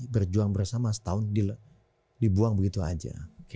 berjuang bersama setahun dibuang begitu saja